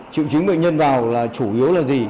triệu chứng bệnh nhân vào là chủ yếu là gì